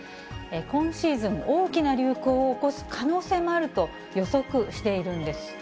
今シーズン、大きな流行を起こす可能性もあると予測しているんです。